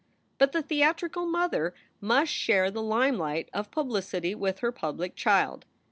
But the theatrical mother must share the limelight of publicity with her public child.